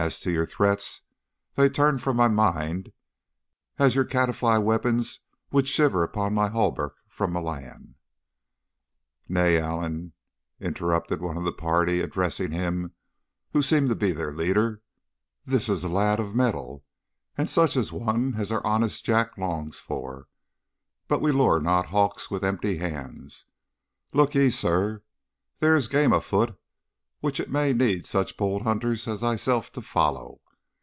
As to your threats, they turn from my mind as your caitiffly weapons would shiver upon my hauberk from Milan.' "'Nay, Allen,' interrupted one of the party, addressing him who seemed to be their leader; 'this is a lad of mettle, and such a one as our honest Jack longs for. But we lure not hawks with empty hands. Look ye, sir, there is game afoot which it may need such bold hunters as thyself to follow.